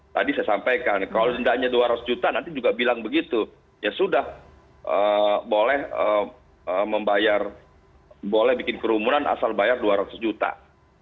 tetapi bagaimana kalau di york